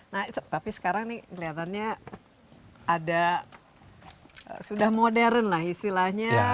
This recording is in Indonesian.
nah tapi sekarang ini kelihatannya ada sudah modern lah istilahnya